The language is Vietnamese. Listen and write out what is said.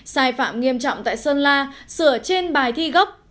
sai phạm nghiêm trọng tại sơn la sửa trên bài thi gốc